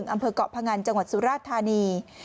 อำเภอกเกาะพงันจังหวัดสุราธานี